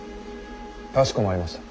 かしこまりました。